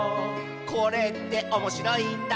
「これっておもしろいんだね」